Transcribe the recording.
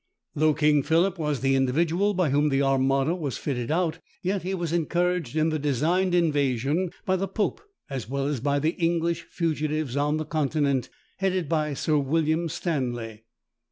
Though King Philip was the individual, by whom the Armada was fitted out, yet he was encouraged in the designed invasion by the pope as well as by the English fugitives on the Continent, headed by Sir William Stanley.